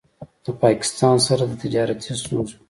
د پاکستان سره د تجارتي ستونځو